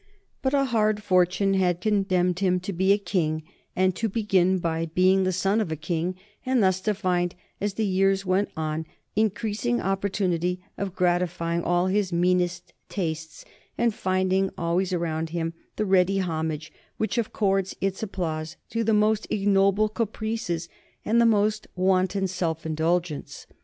But a hard fortune had condemned him to be a king, and to begin by being the son of a king, and thus to find as the years went on increasing opportunity of gratifying all his meanest tastes and finding always around him the ready homage which accords its applause to the most ignoble caprices and the most wanton self indulgence.